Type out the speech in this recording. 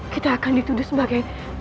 kita akan dituduh sebagai